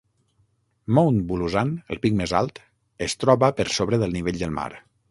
Mount Bulusan, el pic més alt, es troba per sobre del nivell del mar.